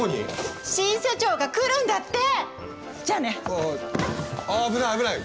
あ危ない危ない。